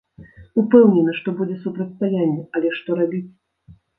Упэўнены, што будзе супрацьстаянне, але што рабіць?